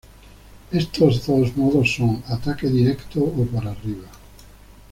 Estos dos modos son: ataque directo o por arriba.